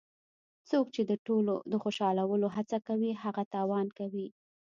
څوک چې د ټولو د خوشحالولو هڅه کوي هغه تاوان کوي.